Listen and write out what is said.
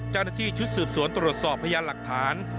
เจ้าหน้าที่ชุดสืบสวนตรวจสอบพยานหลักฐาน